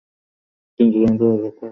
কিন্তু জানতাম, ততক্ষণে সে মৃত।